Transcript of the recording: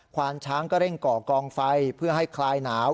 วานช้างก็เร่งก่อกองไฟเพื่อให้คลายหนาว